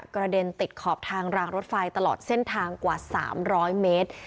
กระเด็นติดขอบทางรางรถไฟตลอดเส้นทางกว่า๓๐๐เมตร